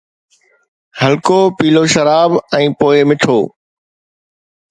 هلڪو پيلو شراب ۽ پوء مٺو